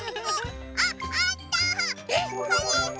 あっあった！